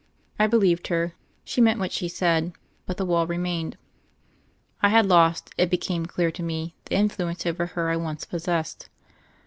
I believed her; she meant what she said ; but the wall remained. I had lost, it became clear to me, the influence over her I once possessed.